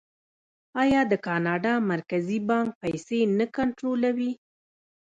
آیا د کاناډا مرکزي بانک پیسې نه کنټرولوي؟